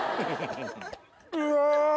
うわ！